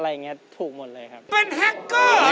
เฮ้ยอย่าลืมฟังเพลงผมอาจารย์นะ